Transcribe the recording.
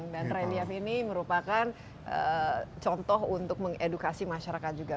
dan rally ave ini merupakan contoh untuk mengedukasi masyarakat juga